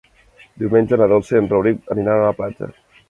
Diumenge na Dolça i en Rauric aniran a la platja.